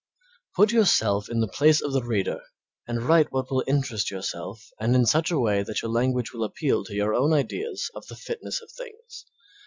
Put yourself in place of the reader and write what will interest yourself and in such a way that your language will appeal to your own ideas of the fitness of things.